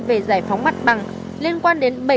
về giải phóng mắt bằng liên quan đến